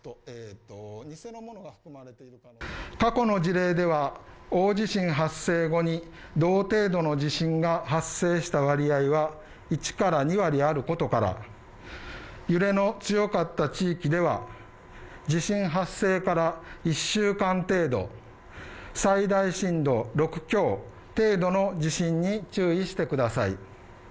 過去の事例では、大地震発生後に同程度の地震が発生した割合は１から２割あることから、揺れの強かった地域では、地震発生から１週間程度最大震度６強程度の地震に注意してください。